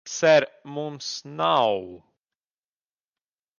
Ser, mums nav...